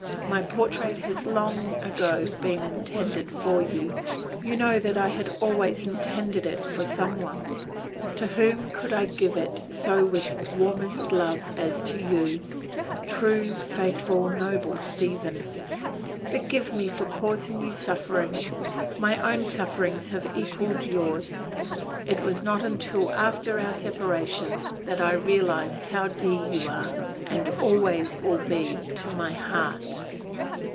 My portrait has long ago been intended for you. You know that I had always intended it for some one. To whom could I give it so with warmest love as to you, true, faithful, noble Stephen. Forgive me for causing you suffering. My own sufferings have equaled yours. It was not until after our separation that I realized how dear you are and always will be to my heart."